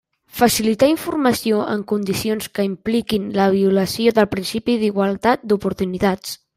Facilitar informació en condicions que impliquin la violació del principi d'igualtat d'oportunitats.